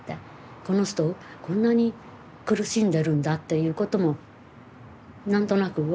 この人こんなに苦しんでるんだっていうことも何となく分かるのかな。